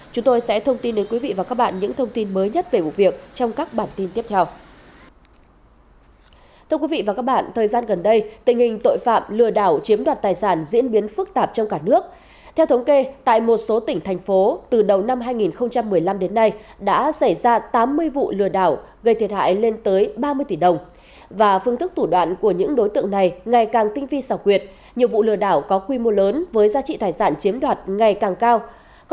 chúng tôi sẽ thông tin đến quý vị và các bạn những thông tin mới nhất về vụ việc